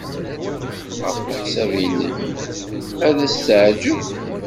Ɣef leḥsab-nnek, ad as-teɛjeb?